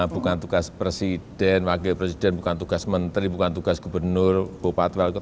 bukan tugas presiden wakil presiden bukan tugas menteri bukan tugas gubernur bupati wali kota